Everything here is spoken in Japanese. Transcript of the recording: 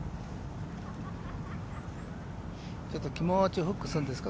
ちょっと気持ちフックするんですか？